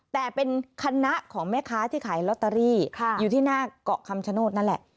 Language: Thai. แต่เป็นคณะของแม่ค้าที่ขายลอตเตอรี่อยู่ที่หน้าเกาะคำชโนธนั่นแหละ